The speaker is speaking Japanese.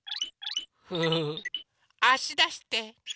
フフフあしだして。